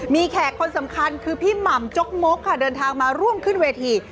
มีแขกคนสำคัญคือพี่หม่ำจกมกค่ะเดินทางมาร่วมขึ้นเวที